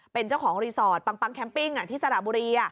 เป็นเจ้าของรีสอร์ทปังแคมปิ้งที่สระบุรี